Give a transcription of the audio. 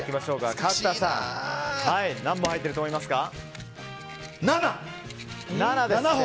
何本入っていると思いますか？